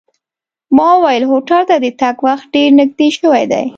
ما وویل هوټل ته د تګ وخت ډېر نږدې شوی دی.